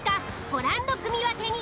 ご覧の組分けに。